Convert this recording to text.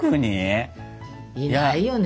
いないよね。